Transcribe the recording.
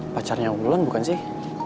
pacarnya ulan bukan sih